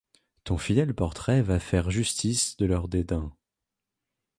Ton fidèle portrait va faire justice de leurs dédains.